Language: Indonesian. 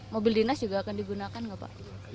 mobil dinas juga akan digunakan nggak pak